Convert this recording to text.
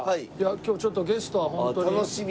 今日ちょっとゲストはホントに。